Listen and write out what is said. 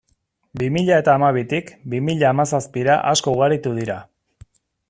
Bi mila eta hamabitik bi mila hamazazpira, asko ugaritu dira.